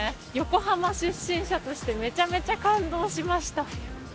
横浜出身者としてめちゃめちゃ感動しました。